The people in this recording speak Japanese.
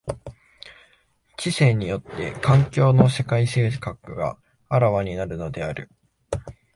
知性によって環境の世界性格は顕わになるのである。